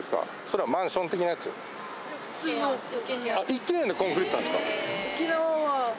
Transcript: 一軒家でコンクリートなんですか。